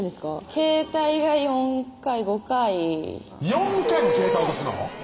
携帯が４回５回４回も携帯落とすの？